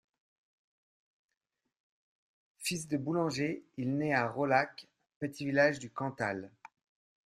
Fils de boulangers, il naît à Raulhac, petit village du Cantal.